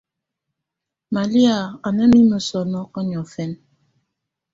Malɛ̀á à nà mimǝ́ sɔ̀nɔkɔ̀ niɔ̀fɛna.